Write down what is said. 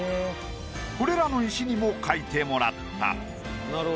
これらの石にも描いてもらった。